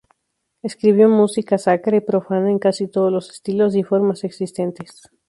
Escribió música sacra y profana en casi todos los estilos y formas existentes.